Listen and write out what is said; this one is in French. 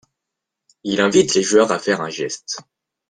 Il invite les joueurs à faire un geste.